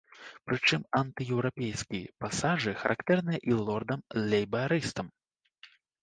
Прычым антыеўрапейскі пасажы характэрныя і лордам-лейбарыстам.